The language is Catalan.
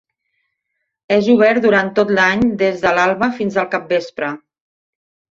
És obert durant tot l'any des de l'alba fins al capvespre.